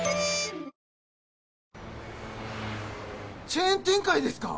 チェーン展開ですか？